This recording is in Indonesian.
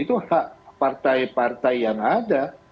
itu hak partai partai yang ada